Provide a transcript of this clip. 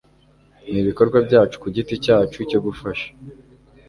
n'ibikorwa byacu ku giti cyacu cyo gufasha